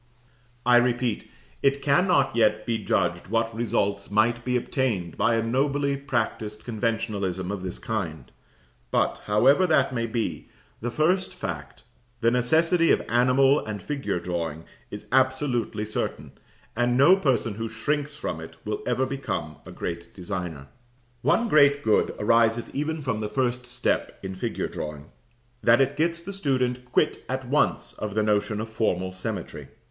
] I repeat, it cannot yet be judged what results might be obtained by a nobly practised conventionalism of this kind; but, however that may be, the first fact, the necessity of animal and figure drawing, is absolutely certain, and no person who shrinks from it will ever become a great designer. One great good arises even from the first step in figure drawing, that it gets the student quit at once of the notion of formal symmetry.